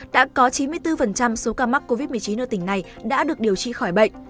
đã có chín mươi bốn số ca mắc covid một mươi chín ở tỉnh này đã được điều trị khỏi bệnh